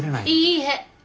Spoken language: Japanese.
いいえ。